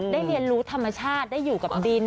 เรียนรู้ธรรมชาติได้อยู่กับดิน